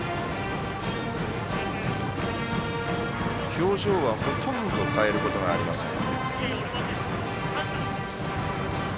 表情はほとんど変えることがありません。